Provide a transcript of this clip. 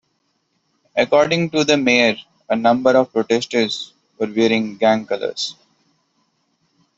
According to the mayor, a number of protesters were wearing gang colors.